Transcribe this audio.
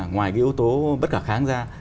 ngoài cái yếu tố bất cả kháng ra